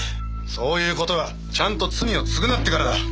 そういう事はちゃんと罪を償ってからだ！